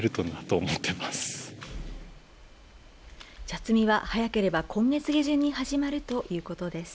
茶摘みは早ければ今月下旬に始まるということです。